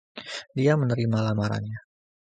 Dia menerima lamarannya.